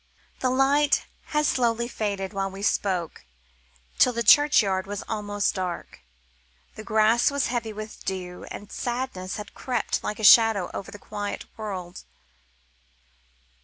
The light had slowly faded while we spoke till the churchyard was almost dark, the grass was heavy with dew, and sadness had crept like a shadow over the quiet world.